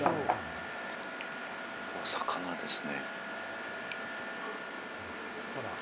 お魚ですね。